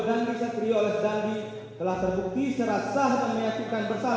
dandri setiolos dandi telah terbukti secara sah penyiasatan bersalah